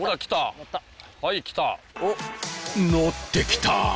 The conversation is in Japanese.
乗ってきた。